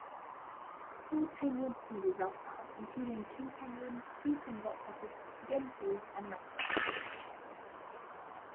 Four penguin species are found, including king penguins, Eastern rockhoppers, gentoos and macaroni penguins.